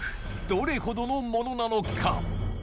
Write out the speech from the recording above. どれほどのものなのか？